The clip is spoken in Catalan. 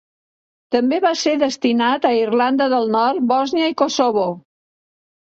També va ser destinat a Irlanda del Nord, Bòsnia i Kosovo.